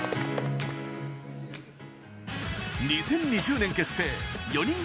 ２０２０年結成４人組